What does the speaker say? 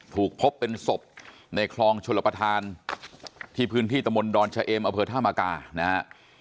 ถูกพบเป็นศพในคลองชนประธานที่พื้นที่ตมรดรชเอมอเผิดธามากานะฮะ